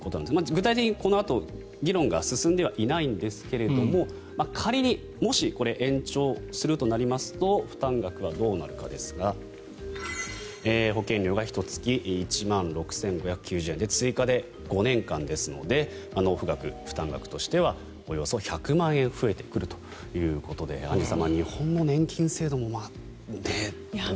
具体的に、このあと議論が進んではいないんですが仮にもし、これ延長するとなりますと負担額はどうなるかですが保険料がひと月１万６５９０円で追加で５年間ですので納付額、負担額としてはおよそ１００万円増えてくるということでアンジュさん、日本の年金制度もどうなんだろうと。